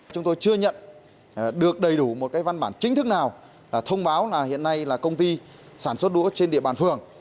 chúng tôi chưa nhận được đầy đủ một cái văn bản chính thức nào thông báo là hiện nay là công ty sản xuất đũa trên địa bàn phường